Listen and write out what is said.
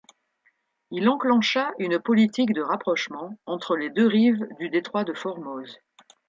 Il enclencha une politique de rapprochement entre les deux rives du détroit de Formose.